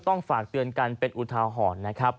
ต้องฝากเตือนกั๋นเป็นอุทาหอน